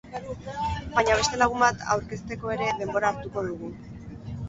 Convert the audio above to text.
Baina beste lagun bat aurkezteko ere denbora hartuko dugu.